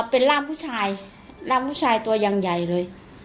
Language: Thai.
เป็นร่ำผู้ชายตัวร่ำร่ำพูดชายยังใหญ่เลย